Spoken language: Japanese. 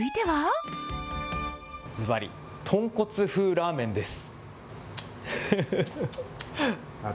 ずばり、豚骨風ラーメンです。